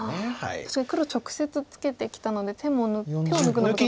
確かに黒直接ツケてきたので手を抜くのもちょっと。